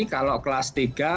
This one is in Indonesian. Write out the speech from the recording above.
kalau kelas tiga